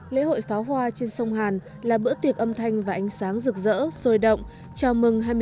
lễ hội pháo hoa trên sông hàn là bữa tiệc âm thanh và ánh sáng rực rỡ sôi động chào mừng